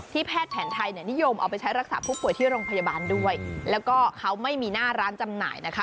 แพทย์แผนไทยเนี่ยนิยมเอาไปใช้รักษาผู้ป่วยที่โรงพยาบาลด้วยแล้วก็เขาไม่มีหน้าร้านจำหน่ายนะคะ